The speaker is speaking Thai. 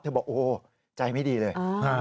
บอกโอ้โหใจไม่ดีเลย